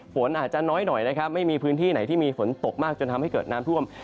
ฝนอาจจะน้อยหน่อยนะครับไม่มีพื้นที่ไหนที่มีฝนตกมากจนทำให้เกิดน้ำท่วม